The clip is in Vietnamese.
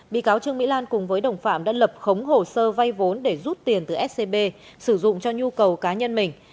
bị cáo trương mỹ lan cùng với đồng phạm đã lập khống hồ sơ vay vốn để rút tiền từ scb sử dụng cho nhu cầu cá nhân mình